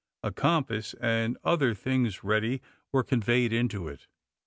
A compass, and other things ready, were conveyed into it.